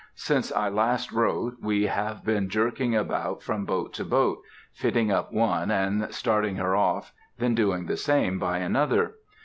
Since I last wrote, we have been jerking about from boat to boat, fitting up one, and starting her off, then doing the same by another.